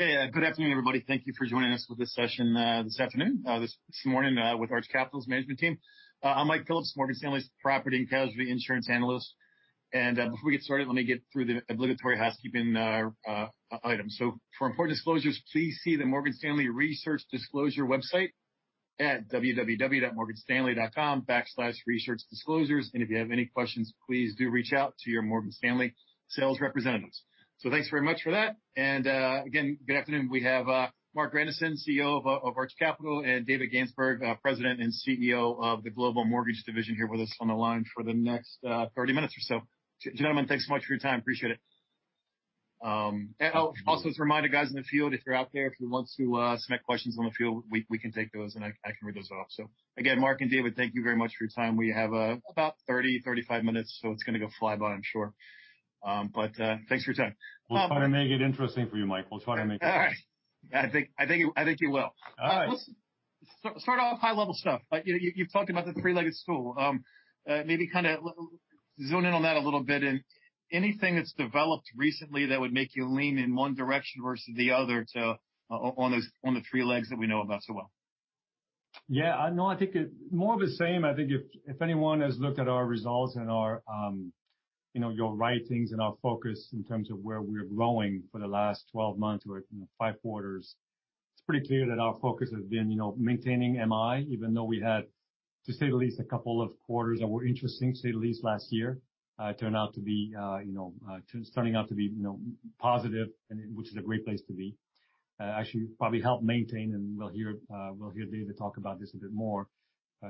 Hey, good afternoon, everybody. Thank you for joining us for this session this morning with Arch Capital's management team. I'm Mike Phillips, Morgan Stanley's Property and Casualty Insurance Analyst. Before we get started, let me get through the obligatory housekeeping items. For important disclosures, please see the Morgan Stanley Research Disclosure website at www.morganstanley.com/researchdisclosures. If you have any questions, please do reach out to your Morgan Stanley sales representatives. Thanks very much for that. Again, good afternoon. We have Marc Grandisson, CEO of Arch Capital, and David Gansberg, President and CEO of the Global Mortgage Division here with us on the line for the next 30 minutes or so. Gentlemen, thanks so much for your time. Appreciate it. Also, to remind you guys in the field, if you're out there, if you want to submit questions on the field, we can take those, and I can read those off. Again, Marc and David, thank you very much for your time. We have about 30, 35 minutes, so it's going to go fly by, I'm sure. Thanks for your time. We'll try to make it interesting for you, Mike. We'll try to make it interesting. All right. I think you will. All right. Let's start off high-level stuff. You've talked about the three-legged stool. Maybe kind of zoom in on that a little bit and anything that's developed recently that would make you lean in one direction versus the other on the three legs that we know about so well. Yeah. No, I think more of the same. I think if anyone has looked at our results and you'll write things in our focus in terms of where we're growing for the last 12 months or five quarters, it's pretty clear that our focus has been maintaining MI, even though we had, to say the least, a couple of quarters that were interesting. To say the least, last year turned out to be positive and which is a great place to be. Actually, probably helped maintain, and we'll hear David talk about this a bit more,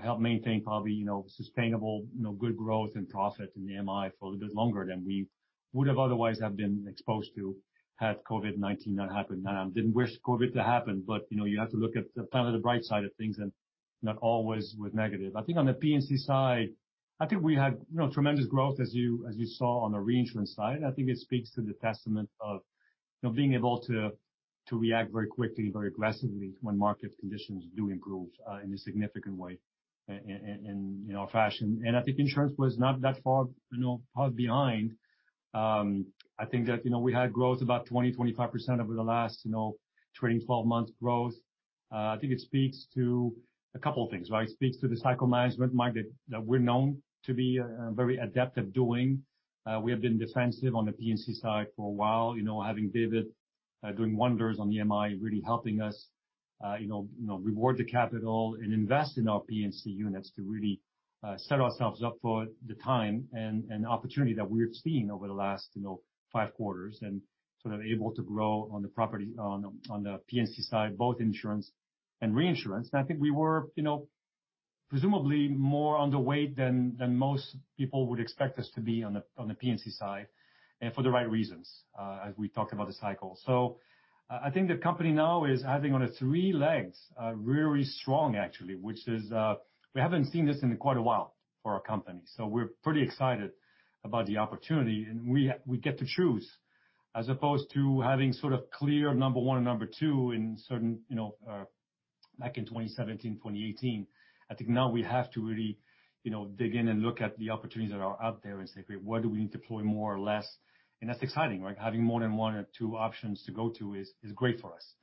helped maintain probably sustainable good growth and profit in the MI for a little bit longer than we would have otherwise have been exposed to had COVID-19 not happened. I didn't wish COVID to happen, but you have to look at kind of the bright side of things and not always with negative. I think on the P&C side, I think we had tremendous growth as you saw on the reinsurance side. I think it speaks to the testament of being able to react very quickly, very aggressively when market conditions do improve in a significant way and fashion. I think insurance was not that far behind. I think that we had growth about 20%-25% over the last 12 months growth. I think it speaks to a couple of things, right? It speaks to the cycle management that we're known to be very adept at doing. We have been defensive on the P&C side for a while, having David doing wonders on the MI, really helping us reward the capital and invest in our P&C units to really set ourselves up for the time and opportunity that we're seeing over the last five quarters and sort of able to grow on the P&C side, both insurance and reinsurance. I think we were presumably more underweight than most people would expect us to be on the P&C side and for the right reasons as we talk about the cycle. I think the company now is having on the three legs, really strong, actually, which is we haven't seen this in quite a while for our company. We're pretty excited about the opportunity, and we get to choose as opposed to having sort of clear number one and number two back in 2017, 2018. I think now we have to really dig in and look at the opportunities that are out there and say, "Great, where do we need to deploy more or less?" That's exciting, right? Having more than one or two options to go to is great for us.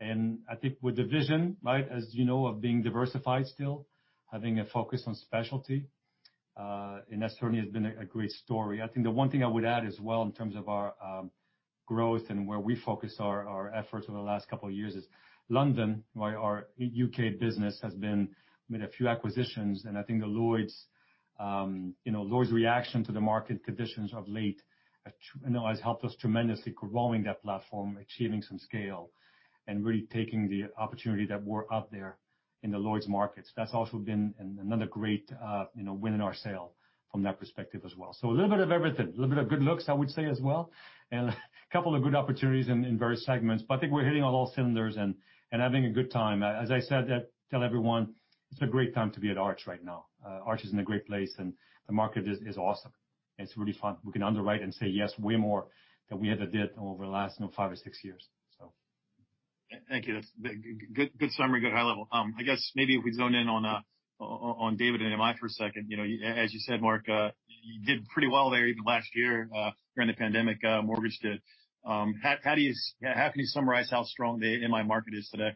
I think with the vision as you know of being diversified still, having a focus on specialty, that certainly has been a great story. I think the one thing I would add as well in terms of our growth and where we focus our efforts over the last couple of years is London, our U.K. business, has made a few acquisitions, and I think Lloyd's reaction to the market conditions of late has helped us tremendously growing that platform, achieving some scale, and really taking the opportunity that were out there in the Lloyd's markets. That's also been another great win in our sail from that perspective as well. A little bit of everything. A little bit of good looks, I would say, as well, and a couple of good opportunities in various segments. I think we're hitting on all cylinders and having a good time. As I said, tell everyone it's a great time to be at Arch right now. Arch is in a great place, and the market is awesome. It's really fun. We can underwrite and say yes way more than we ever did over the last five or six years. Thank you. That's good summary, good high level. I guess maybe if we zone in on David and MI for a second. As you said, Marc, you did pretty well there even last year during the pandemic, mortgage did. How can you summarize how strong the MI market is today?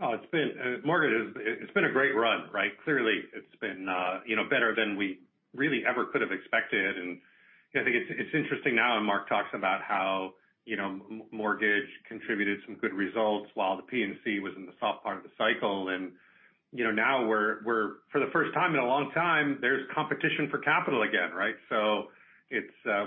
Oh, it's been a great run, right? Clearly, it's been better than we really ever could have expected. I think it's interesting now, Marc talks about how mortgage contributed some good results while the P&C was in the soft part of the cycle. Now we're for the first time in a long time, there's competition for capital again, right?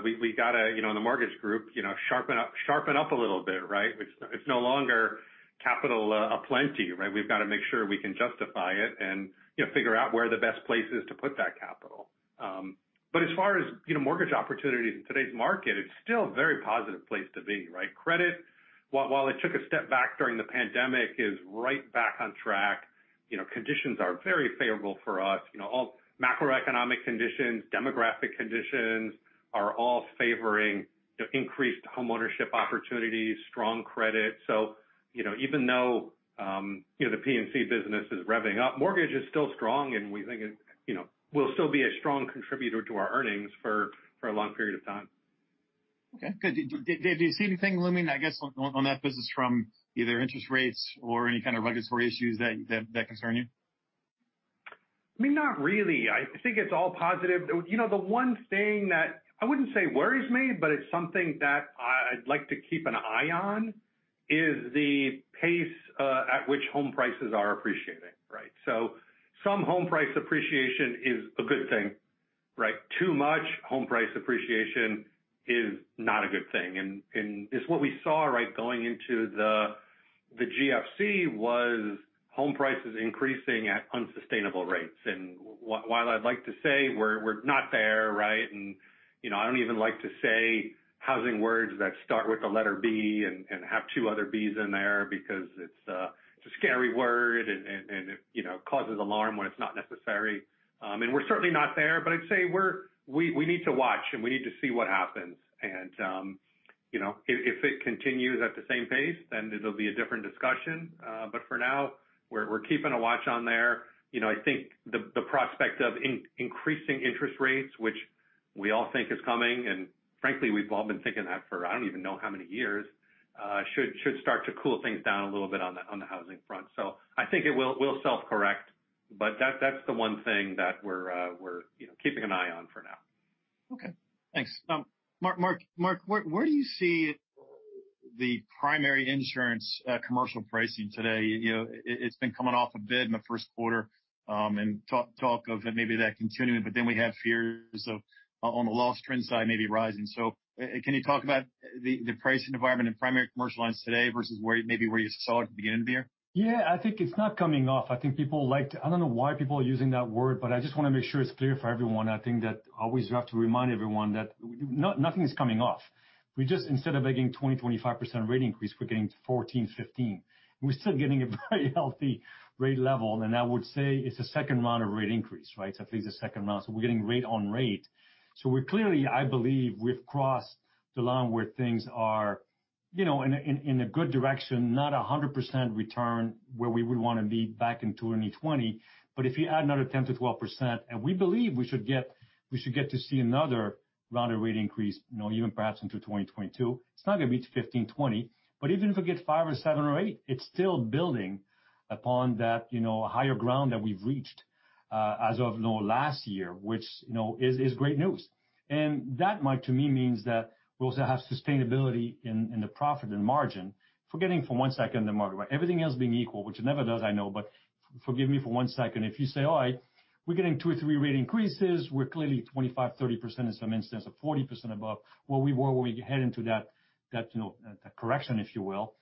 We got to in the mortgage group sharpen up a little bit, right? It's no longer capital aplenty, right? We've got to make sure we can justify it and figure out where the best place is to put that capital. As far as mortgage opportunities in today's market, it's still a very positive place to be, right? Credit, while it took a step back during the pandemic, is right back on track. Conditions are very favorable for us. All macroeconomic conditions, demographic conditions are all favoring increased homeownership opportunities, strong credit. Even though the P&C business is revving up, mortgage is still strong, and we think it will still be a strong contributor to our earnings for a long period of time. Okay, good. Do you see anything looming, I guess, on that business from either interest rates or any kind of regulatory issues that concern you? Not really. I think it's all positive. The one thing that I wouldn't say worries me, but it's something that I'd like to keep an eye on, is the pace at which home prices are appreciating. Some home price appreciation is a good thing. Too much home price appreciation is not a good thing. It's what we saw going into the GFC was home prices increasing at unsustainable rates. While I'd like to say we're not there, I don't even like to say housing words that start with the letter B and have two other Bs in there because it's a scary word and it causes alarm when it's not necessary. We're certainly not there, but I'd say we need to watch, and we need to see what happens. If it continues at the same pace, then it'll be a different discussion. For now, we're keeping a watch on there. I think the prospect of increasing interest rates, which we all think is coming, and frankly, we've all been thinking that for, I don't even know how many years, should start to cool things down a little bit on the housing front. I think it will self-correct, but that's the one thing that we're keeping an eye on for now. Okay, thanks. Marc, where do you see the primary insurance commercial pricing today? It's been coming off a bit in the first quarter, and talk of maybe that continuing, but then we have fears of on the loss trend side, maybe rising. Can you talk about the pricing environment in primary commercial lines today versus maybe where you saw it at the beginning of the year? I think it's not coming off. I don't know why people are using that word, but I just want to make sure it's clear for everyone. I think that always we have to remind everyone that nothing is coming off. We just, instead of making 20%-25% rate increase, we're getting 14%-15%, and we're still getting a very healthy rate level. I would say it's a second round of rate increase. I think it's the second round. We're getting rate on rate. We're clearly, I believe, we've crossed the line where things are in a good direction, not 100% return where we would want to be back in 2020. If you add another 10%-12%, and we believe we should get to see another round of rate increase, even perhaps into 2022. It's not going to be to 15%-20%, but even if it gets 5% or 7% or 8%, it's still building upon that higher ground that we've reached as of last year, which is great news. That, Mike, to me, means that we also have sustainability in the profit and margin. Forgetting for one second the margin. Everything else being equal, which it never does, I know, but forgive me for one second. If you say, "All right, we're getting two or three rate increases, we're clearly 25%-30% in some instance or 40% above where we were when we head into that correction," if you will.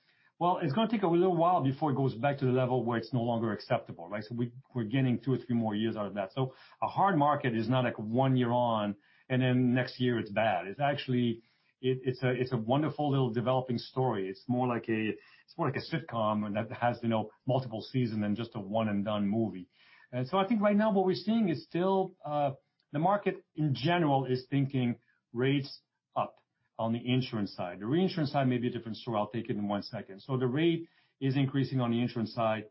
It's going to take a little while before it goes back to the level where it's no longer acceptable. We're getting two or three more years out of that. A hard market is not like one year on, then next year it's bad. It's a wonderful little developing story. It's more like a sitcom that has multiple season than just a one-and-done movie. I think right now what we're seeing is still the market, in general, is thinking rates up on the insurance side. The reinsurance side may be a different story. I'll take it in one second. The rate is increasing on the insurance side.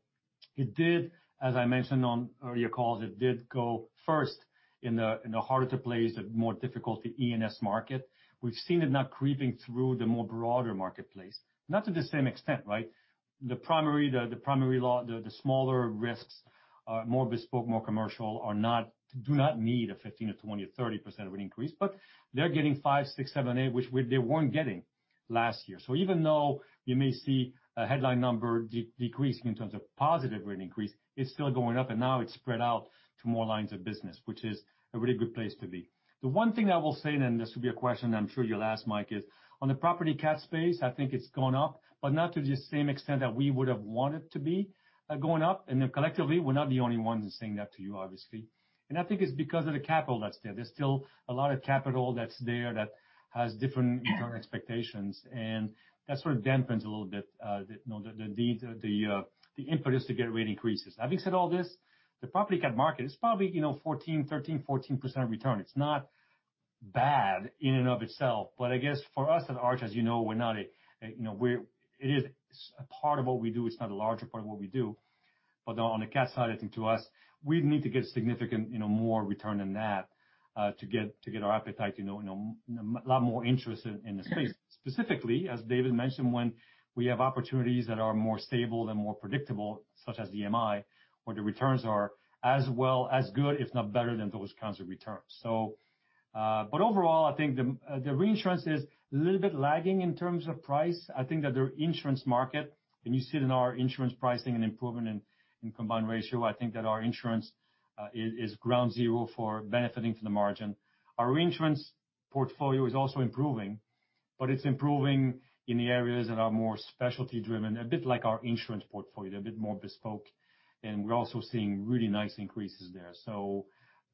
It did, as I mentioned on earlier calls, it did go first in the harder to place, the more difficult, the E&S market. We've seen it now creeping through the more broader marketplace. Not to the same extent. The primary line, the smaller risks are more bespoke, more commercial, do not need a 15% or 20% or 30% rate increase, but they're getting 5, 6, 7, 8, which they weren't getting last year. Even though you may see a headline number decreasing in terms of positive rate increase, it's still going up, and now it's spread out to more lines of business, which is a really good place to be. The one thing I will say, and this will be a question that I'm sure you'll ask, Mike, is on the property catastrophe space, I think it's gone up, but not to the same extent that we would have wanted to be going up. Collectively, we're not the only ones saying that to you, obviously. I think it's because of the capital that's there. There's still a lot of capital that's there that has different return expectations, that sort of dampens a little bit the impetus to get rate increases. Having said all this, the property catastrophe market is probably 13%, 14% return. It's not bad in and of itself, but I guess for us at Arch, as you know, it is a part of what we do, it's not a larger part of what we do. On the cat side, I think to us, we need to get significant more return than that to get our appetite, a lot more interest in the space. Specifically, as David mentioned, when we have opportunities that are more stable and more predictable, such as the MI, where the returns are as well, as good, if not better than those kinds of returns. Overall, I think the reinsurance is a little bit lagging in terms of price. I think that their insurance market, and you see it in our insurance pricing and improvement in combined ratio, I think that our insurance is ground zero for benefiting from the margin. Our reinsurance portfolio is also improving, but it's improving in the areas that are more specialty driven, a bit like our insurance portfolio, a bit more bespoke, and we're also seeing really nice increases there.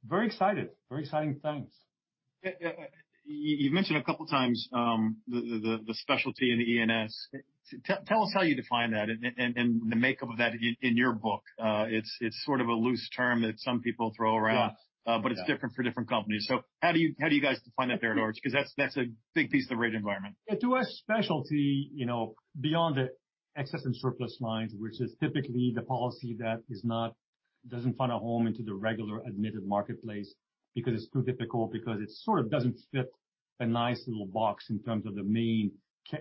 Very excited. Very exciting times. You've mentioned a couple of times the specialty in E&S. Tell us how you define that and the makeup of that in your book. It's sort of a loose term that some people throw around. Yeah. It's different for different companies. How do you guys define that there at Arch? Because that's a big piece of the rate environment. To us, specialty, beyond the excess and surplus lines, which is typically the policy that Doesn't find a home into the regular admitted marketplace because it's too difficult, because it sort of doesn't fit a nice little box in terms of the main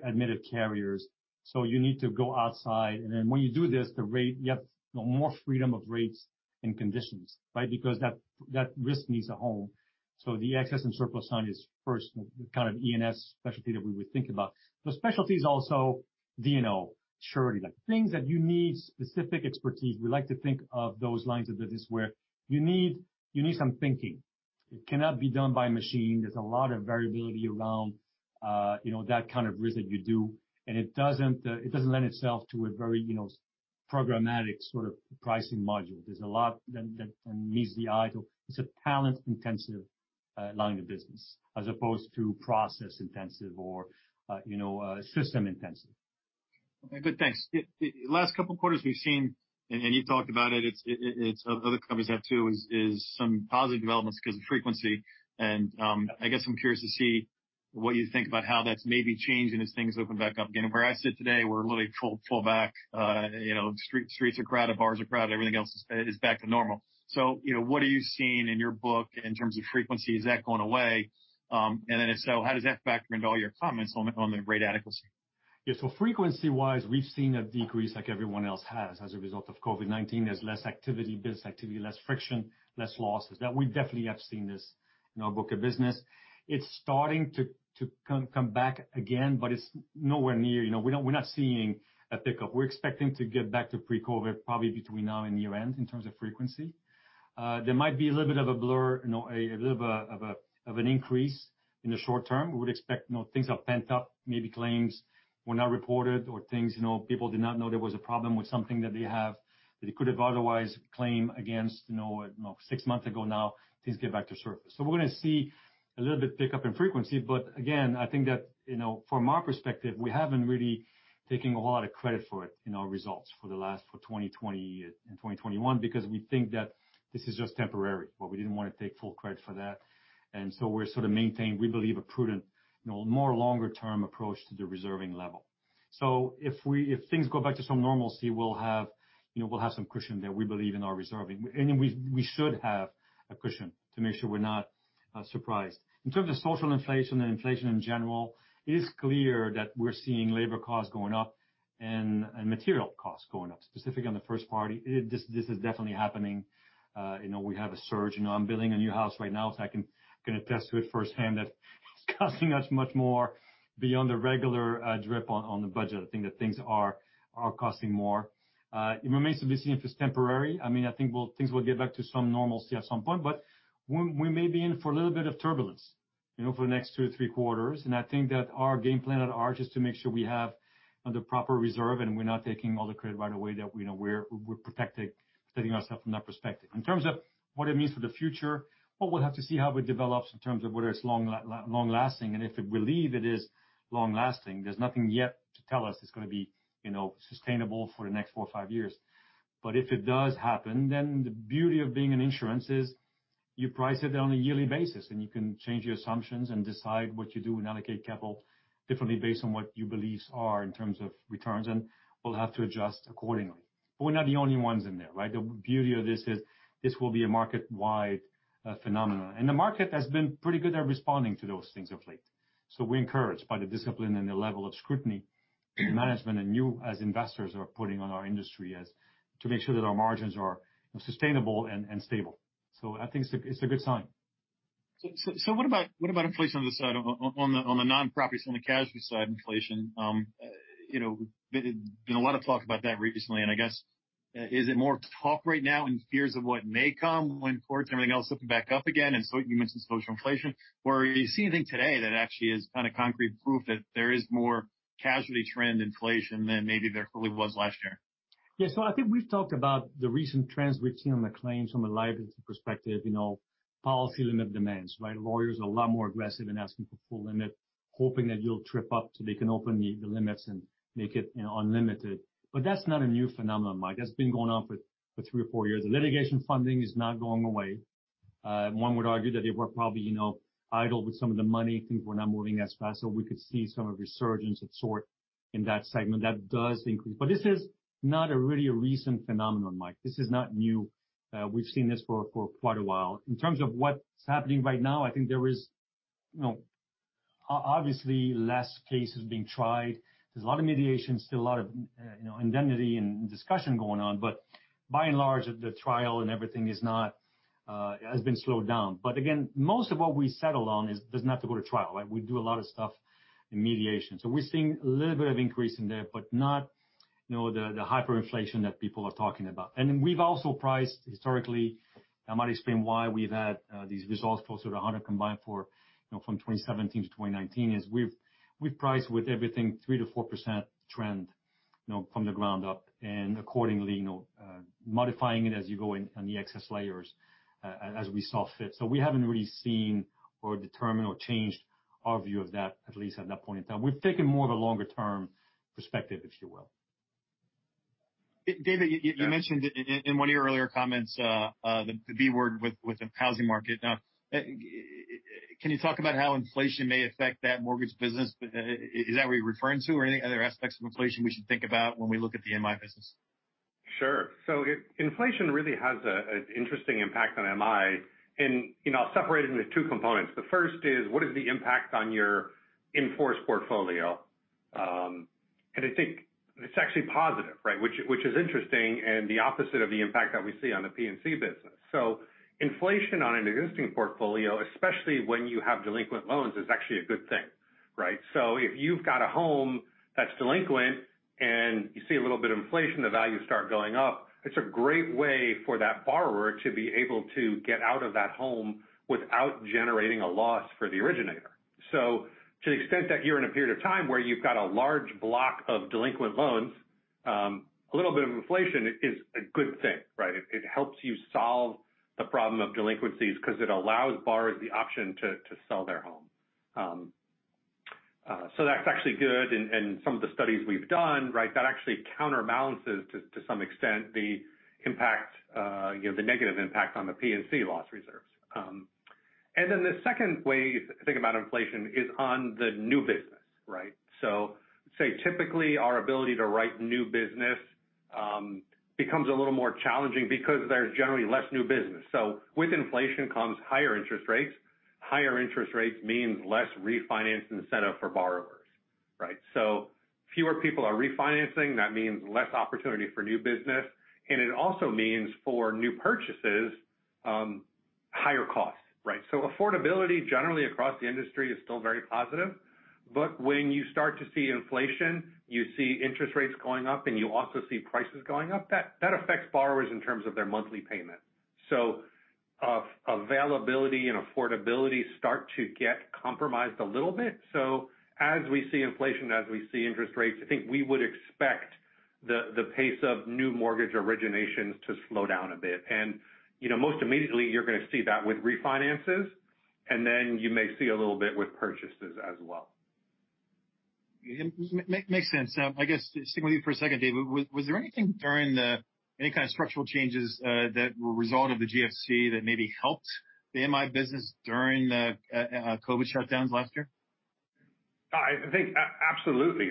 admitted carriers. You need to go outside, and then when you do this, you have more freedom of rates and conditions, right? Because that risk needs a home. The excess and surplus line is first, kind of E&S specialty that we would think about. The specialty is also D&O, surety, like things that you need specific expertise. We like to think of those lines of business where you need some thinking. It cannot be done by a machine. There's a lot of variability around that kind of risk that you do, and it doesn't lend itself to a very programmatic sort of pricing module. There's a lot that meets the eye. It's a talent-intensive line of business as opposed to process-intensive or system-intensive. Okay, good. Thanks. The last couple of quarters we've seen, and you talked about it's other companies have too, is some positive developments because of frequency and I guess I'm curious to see what you think about how that's maybe changing as things open back up again. Where I sit today, we're literally full back. Streets are crowded, bars are crowded, everything else is back to normal. What are you seeing in your book in terms of frequency? Is that going away? If so, how does that factor into all your comments on the rate adequacy? Yeah. Frequency-wise, we've seen a decrease like everyone else has, as a result of COVID-19. There's less activity, business activity, less friction, less losses. That we definitely have seen this in our book of business. It's starting to come back again, but it's nowhere near. We're not seeing a pickup. We're expecting to get back to pre-COVID probably between now and year-end in terms of frequency. There might be a little bit of a blur, a little bit of an increase in the short term. We would expect things are pent up, maybe claims were not reported or people did not know there was a problem with something that they have, that they could have otherwise claimed against six months ago now, things get back to surface. We're going to see a little bit pickup in frequency. Again, I think that from our perspective, we haven't really taken a whole lot of credit for it in our results for the last, for 2020 and 2021, because we think that this is just temporary. We didn't want to take full credit for that, and so we're sort of maintaining, we believe, a prudent, more longer-term approach to the reserving level. If things go back to some normalcy, we'll have some cushion there we believe in our reserving. We should have a cushion to make sure we're not surprised. In terms of social inflation and inflation in general, it is clear that we're seeing labor costs going up and material costs going up, specifically on the first party. This is definitely happening. We have a surge. I'm building a new house right now, so I can attest to it firsthand that it's costing us much more beyond the regular drip on the budget. I think that things are costing more. It remains to be seen if it's temporary. I think things will get back to some normalcy at some point, but we may be in for a little bit of turbulence for the next two or three quarters. I think that our game plan at Arch is to make sure we have the proper reserve and we're not taking all the credit right away, that we're protecting ourselves from that perspective. In terms of what it means for the future, well, we'll have to see how it develops in terms of whether it's long-lasting. If we believe it is long-lasting, there's nothing yet to tell us it's going to be sustainable for the next four or five years. If it does happen, the beauty of being in insurance is you price it on a yearly basis, and you can change your assumptions and decide what you do and allocate capital differently based on what your beliefs are in terms of returns. We'll have to adjust accordingly. We're not the only ones in there, right? The beauty of this is, this will be a market-wide phenomenon. The market has been pretty good at responding to those things of late. We're encouraged by the discipline and the level of scrutiny management and you as investors are putting on our industry as to make sure that our margins are sustainable and stable. I think it's a good sign. What about inflation on the non-property, on the casualty side inflation? There's been a lot of talk about that recently, I guess, is it more talk right now and fears of what may come when ports and everything else open back up again, and you mentioned social inflation? Are you seeing anything today that actually is kind of concrete proof that there is more casualty trend inflation than maybe there really was last year? Yeah. I think we've talked about the recent trends we've seen on the claims from a liability perspective, policy limit demands, right? Lawyers are a lot more aggressive in asking for full limit, hoping that you'll trip up so they can open the limits and make it unlimited. That's not a new phenomenon, Mike. That's been going on for three or four years. The litigation funding is not going away. One would argue that they were probably idle with some of the money. Things were not moving as fast, we could see some resurgence of sort in that segment. That does increase. This is not really a recent phenomenon, Mike. This is not new. We've seen this for quite a while. In terms of what's happening right now, I think there is obviously less cases being tried. There's a lot of mediation, still a lot of indemnity and discussion going on. By and large, the trial and everything has been slowed down. Again, most of what we settle on does not have to go to trial, right? We do a lot of stuff in mediation. We're seeing a little bit of increase in there, but not the hyperinflation that people are talking about. We've also priced historically, that might explain why we've had these results close to the 100 combined from 2017-2019, is we've priced with everything 3%-4% trend from the ground up, and accordingly modifying it as you go on the excess layers as we saw fit. We haven't really seen or determined or changed our view of that, at least at that point in time. We've taken more of a longer-term perspective, if you will. David, you mentioned in one of your earlier comments, the B word with the housing market. Can you talk about how inflation may affect that mortgage business? Is that what you're referring to? Any other aspects of inflation we should think about when we look at the MI business? Sure. Inflation really has an interesting impact on MI, and I'll separate it into two components. The first is, what is the impact on your in-force portfolio? I think it's actually positive, which is interesting and the opposite of the impact that we see on the P&C business. Inflation on an existing portfolio, especially when you have delinquent loans, is actually a good thing. If you've got a home that's delinquent and you see a little bit of inflation, the values start going up, it's a great way for that borrower to be able to get out of that home without generating a loss for the originator. To the extent that you're in a period of time where you've got a large block of delinquent loans, a little bit of inflation is a good thing. It helps you solve the problem of delinquencies because it allows borrowers the option to sell their home. That's actually good. Some of the studies we've done, that actually counterbalances to some extent the negative impact on the P&C loss reserves. Then the second way to think about inflation is on the new business. Say typically our ability to write new business becomes a little more challenging because there's generally less new business. With inflation comes higher interest rates. Higher interest rates means less refinance incentive for borrowers. Fewer people are refinancing. That means less opportunity for new business, and it also means, for new purchases, higher costs. Affordability generally across the industry is still very positive. When you start to see inflation, you see interest rates going up, and you also see prices going up. That affects borrowers in terms of their monthly payment. Availability and affordability start to get compromised a little bit. As we see inflation, as we see interest rates, I think we would expect the pace of new mortgage originations to slow down a bit. Most immediately, you're going to see that with refinances, and then you may see a little bit with purchases as well. Makes sense. I guess stick with you for a second, David. Was there anything during the, any kind of structural changes that were a result of the GFC that maybe helped the MI business during the COVID shutdowns last year? I think absolutely.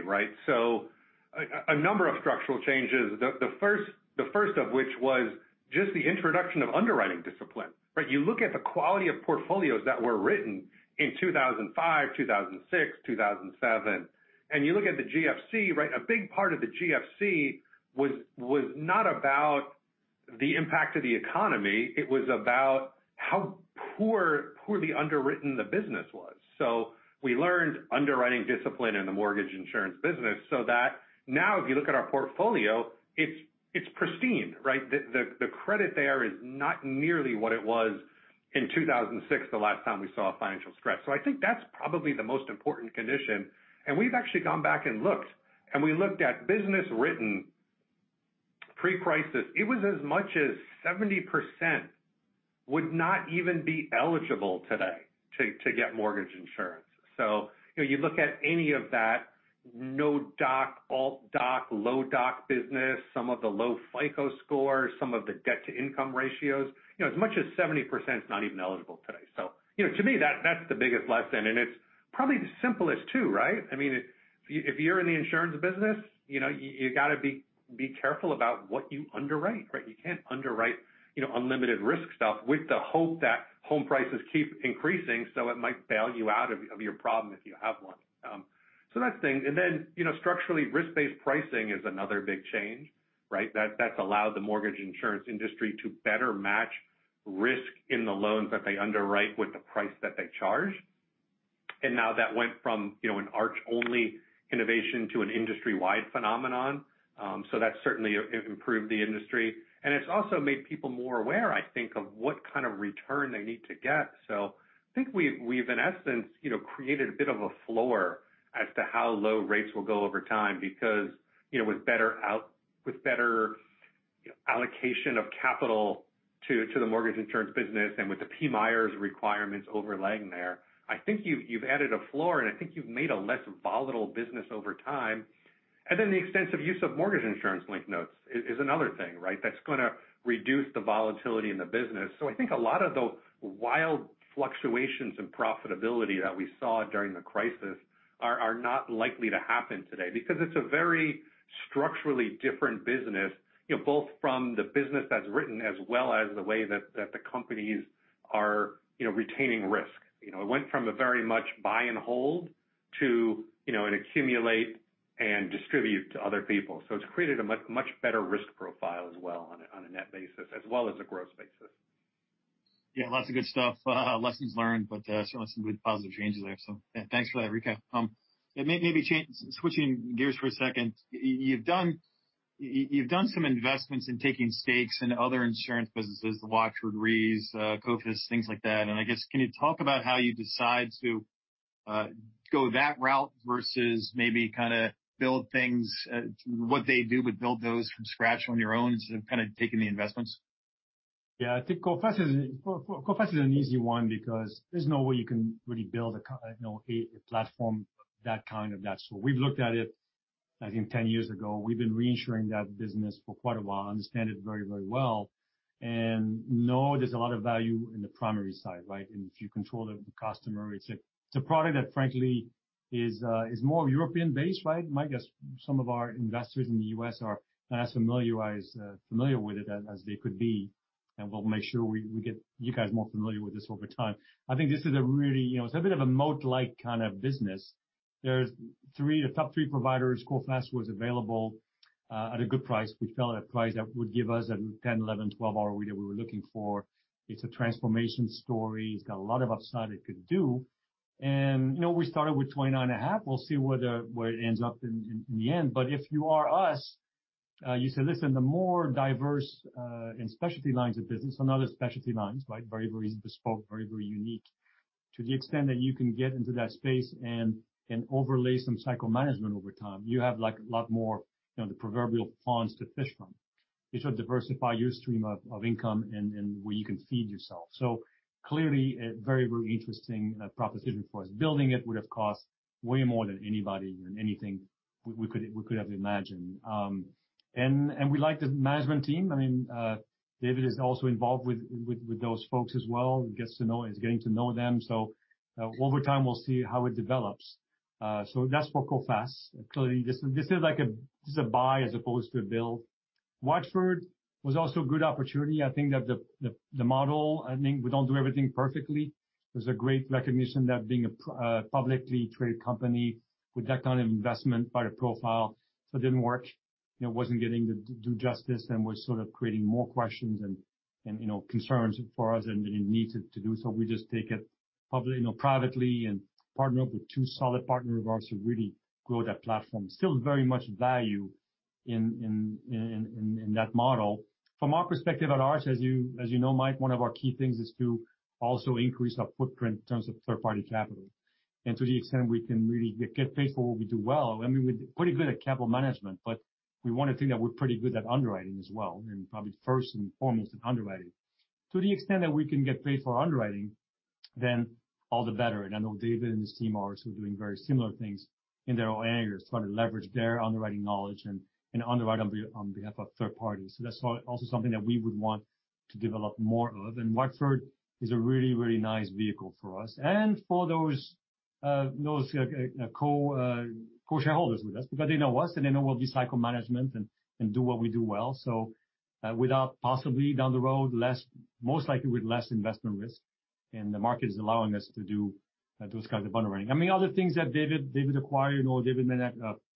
A number of structural changes, the first of which was just the introduction of underwriting discipline. You look at the quality of portfolios that were written in 2005, 2006, 2007, and you look at the GFC. A big part of the GFC was not about the impact of the economy. It was about how poorly underwritten the business was. We learned underwriting discipline in the mortgage insurance business, so that now if you look at our portfolio, it's pristine. The credit there is not nearly what it was in 2006, the last time we saw financial stress. I think that's probably the most important condition. We've actually gone back and looked, and we looked at business written pre-crisis. It was as much as 70% would not even be eligible today to get mortgage insurance. You look at any of that no-doc, alt-doc, low-doc business, some of the low FICO scores, some of the debt-to-income ratios. As much as 70% is not even eligible today. To me, that's the biggest lesson, and it's probably the simplest, too. If you're in the insurance business, you got to be careful about what you underwrite. You can't underwrite unlimited risk stuff with the hope that home prices keep increasing, so it might bail you out of your problem if you have one. That's the thing. Then structurally, risk-based pricing is another big change. That's allowed the mortgage insurance industry to better match risk in the loans that they underwrite with the price that they charge. Now that went from an Arch-only innovation to an industry-wide phenomenon. That certainly improved the industry, and it's also made people more aware, I think, of what kind of return they need to get. I think we've, in essence, created a bit of a floor as to how low rates will go over time because with better allocation of capital to the mortgage insurance business and with the PMIERs requirements overlaying there. I think you've added a floor, and I think you've made a less volatile business over time. Then the extensive use of mortgage insurance-linked notes is another thing. That's going to reduce the volatility in the business. I think a lot of the wild fluctuations in profitability that we saw during the crisis are not likely to happen today because it's a very structurally different business, both from the business that's written as well as the way that the companies are retaining risk. It went from a very much buy and hold to an accumulate and distribute to other people. It's created a much better risk profile as well on a net basis as well as a growth basis. Yeah, lots of good stuff. Lessons learned, but some really positive changes there. Thanks for that recap. Maybe switching gears for a second. You've done some investments in taking stakes in other insurance businesses, the Watford Re, Coface, things like that. I guess can you talk about how you decide to go that route versus maybe kind of build things, what they do, but build those from scratch on your own instead of kind of taking the investments? Yeah, I think Coface is an easy one because there's no way you can really build a platform that kind of natural. We've looked at it I think 10 years ago. We've been reinsuring that business for quite a while, understand it very well, and know there's a lot of value in the primary side, right? If you control the customer, it's a product that, frankly, is more European-based, right? Mike asks some of our investors in the U.S. are not as familiar with it as they could be, and we'll make sure we get you guys more familiar with this over time. I think this is a bit of a moat-like kind of business. The top three providers, Coface was available at a good price. We felt at a price that would give us a 10, 11, 12 hour we were looking for. It's a transformation story. It's got a lot of upside it could do. We started with 29 and a half. We'll see where it ends up in the end. If you are us, you say, listen, the more diverse in specialty lines of business or not as specialty lines, very bespoke, very unique. To the extent that you can get into that space and overlay some cycle management over time. You have a lot more, the proverbial ponds to fish from. You sort of diversify your stream of income and where you can feed yourself. Clearly, a very interesting proposition for us. Building it would have cost way more than anybody than anything we could have imagined. We like the management team. David is also involved with those folks as well, he's getting to know them. Over time, we'll see how it develops. That's for Coface. Clearly, this is a buy as opposed to a build. Watford was also a good opportunity. I think that the model, we don't do everything perfectly. There's a great recognition that being a publicly traded company with that kind of investment by the profile, so it didn't work and it wasn't getting to do justice and was sort of creating more questions and concerns for us than it needed to do. We just take it privately and partner up with two solid partner of ours to really grow that platform. Still very much value in that model. From our perspective at Arch, as you know, Mike, one of our key things is to also increase our footprint in terms of third-party capital. To the extent we can really get paid for what we do well, and we're pretty good at capital management, we want to think that we're pretty good at underwriting as well, and probably first and foremost in underwriting. To the extent that we can get paid for underwriting, all the better. I know David and his team are also doing very similar things in their own areas, trying to leverage their underwriting knowledge and underwrite on behalf of third parties. That's also something that we would want to develop more of. Watford is a really nice vehicle for us and for those co-shareholders with us because they know us, and they know we'll do cycle management and do what we do well. Without possibly down the road, most likely with less investment risk, the market is allowing us to do those kinds of underwriting. Other things that David acquired, David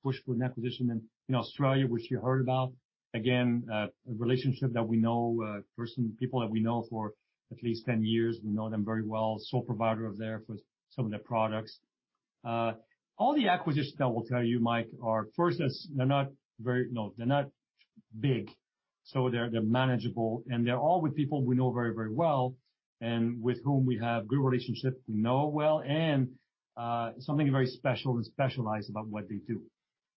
pushed for an acquisition in Australia, which you heard about. Again, a relationship that we know, people that we know for at least 10 years. We know them very well. Sole provider of some of their products. All the acquisitions, I will tell you, Mike, are first, they're not big, so they're manageable, and they're all with people we know very well and with whom we have good relationships, we know well, and something very special and specialized about what they do.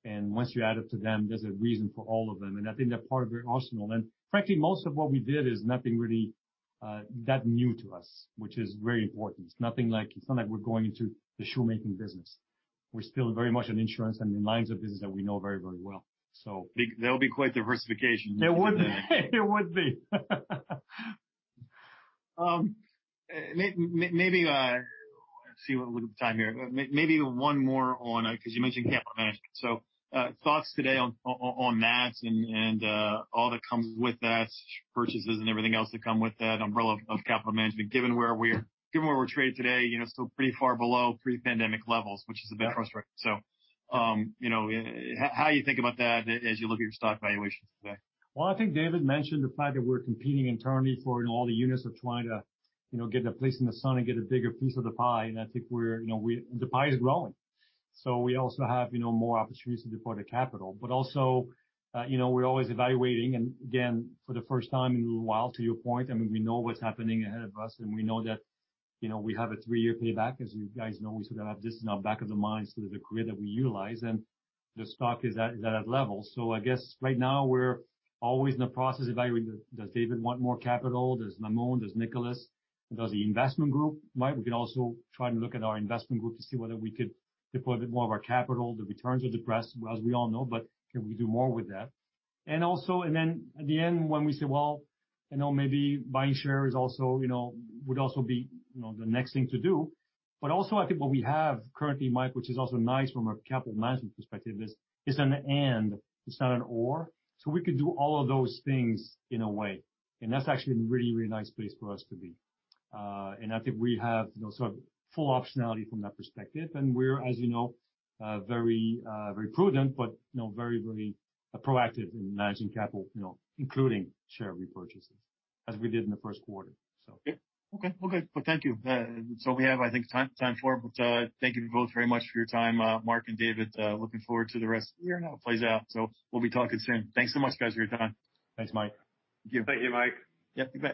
Once you add up to them, there's a reason for all of them, I think they're part of your arsenal. Frankly, most of what we did is nothing really that new to us, which is very important. It's not like we're going into the shoemaking business. We're still very much an insurance and in lines of business that we know very well. That would be quite diversification. It would be. Let's see what we have time here. Maybe one more on, because you mentioned capital management. Thoughts today on that and all that comes with that, purchases and everything else that come with that umbrella of capital management, given where we're traded today, still pretty far below pre-pandemic levels, which is a bit frustrating. How you think about that as you look at your stock valuations today? Well, I think David mentioned the fact that we're competing internally for all the units of trying to get a place in the sun and get a bigger piece of the pie, and I think the pie is growing. We also have more opportunities to deploy the capital. Also, we're always evaluating, and again, for the first time in a little while, to your point, and we know what's happening ahead of us, and we know that we have a three-year payback. As you guys know, we sort of have this in our back of the minds through the grid that we utilize, and the stock is at that level. I guess right now we're always in the process evaluating, does David want more capital? Does Maamoun, does Nicolas? Does the investment group? Mike, we can also try to look at our investment group to see whether we could deploy a bit more of our capital. The returns are depressed, as we all know, but can we do more with that? Then at the end, when we say, well, maybe buying shares would also be the next thing to do. Also, I think what we have currently, Mike, which is also nice from a capital management perspective, is it's an and, it's not an or, so we could do all of those things in a way. That's actually a really nice place for us to be. I think we have sort of full optionality from that perspective. We're, as you know, very prudent, but very proactive in managing capital, including share repurchases, as we did in the first quarter. Okay. Well, good. Well, thank you. We have, I think, time for it, but thank you both very much for your time, Marc and David. Looking forward to the rest of the year and how it plays out. We'll be talking soon. Thanks so much, guys, for your time. Thanks, Mike. Thank you. Thank you, Mike. Yep, you bet.